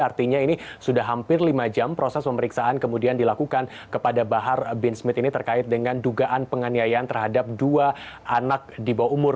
artinya ini sudah hampir lima jam proses pemeriksaan kemudian dilakukan kepada bahar bin smith ini terkait dengan dugaan penganiayaan terhadap dua anak di bawah umur